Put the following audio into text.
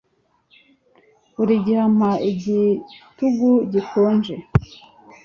Buri gihe ampa igitugu gikonje